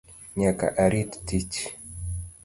Nyaka arit tich